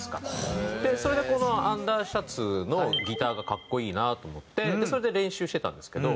それでこの『アンダーシャツ』のギターが格好いいなと思ってそれで練習してたんですけど。